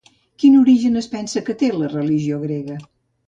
Quin origen es pensa que té la religió grega?